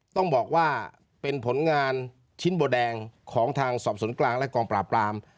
ต้องบอกว่าเป็นผลงานชิ้นโบแดงของทางสอบสวนกลางและกองปราบปราม